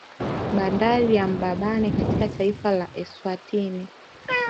Bandari ya Mbabane katika taifa la Eswatini